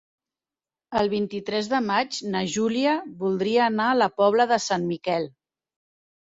El vint-i-tres de maig na Júlia voldria anar a la Pobla de Sant Miquel.